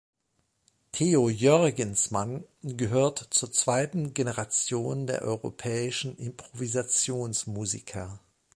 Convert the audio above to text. Theo Jörgensmann gehört zur zweiten Generation der europäischen Improvisationsmusiker.